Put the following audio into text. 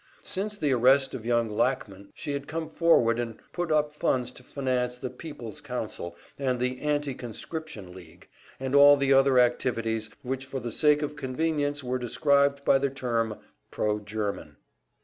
Since the arrest of young Lackman she had come forward and put up funds to finance the "People's Council," and the "Anti Conscription League," and all the other activities which for the sake of convenience were described by the term "pro German."